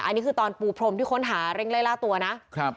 อันนี้คือตอนปูพรมที่ค้นหาเร่งไล่ล่าตัวนะครับ